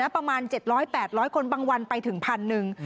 ประมาณ๗๐๐๘๐๐คนบางวันไปถึงพันหนึ่ง